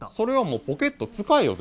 ポケット使えよ。